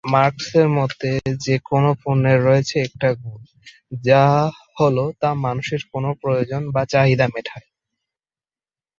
মার্ক্সের মতে, যে কোন পণ্যের রয়েছে একটা গুণ, যা হলো তা মানুষের কোন প্রয়োজন বা চাহিদা মেটায়।